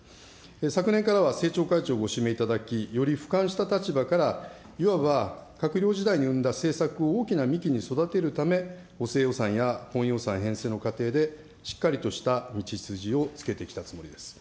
昨年からは政調会長ご指名いただき、よりふかんした立場からいわば閣僚時代に生んだ政策を大きな幹に育てるため、補正予算や本予算編成の過程で、しっかりとした道筋をつけてきたつもりです。